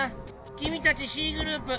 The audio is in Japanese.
君たちＣグループ